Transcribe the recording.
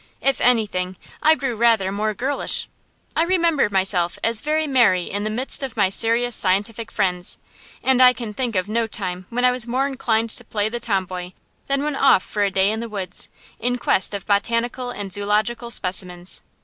If anything, I grew rather more girlish. I remember myself as very merry in the midst of my serious scientific friends, and I can think of no time when I was more inclined to play the tomboy than when off for a day in the woods, in quest of botanical and zoological specimens.